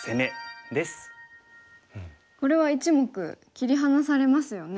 これは１目切り離されますよね。